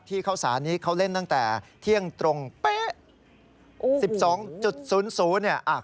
ข้าวสารนี้เขาเล่นตั้งแต่เที่ยงตรงเป๊ะ๑๒๐๐เนี่ย